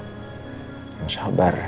oh gua langsung mau cari